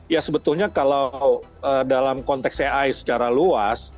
ya sebetulnya kalau dalam konteks ai secara luas